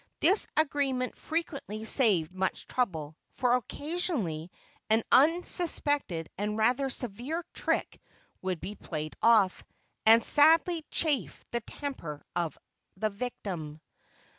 This agreement frequently saved much trouble; for occasionally an unexpected and rather severe trick would be played off, and sadly chafe the temper of the victim.